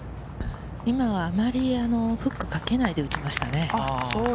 あまりフックをかけないで打ちましたね。